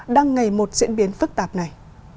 đăng ngày một diễn biến phức tạp này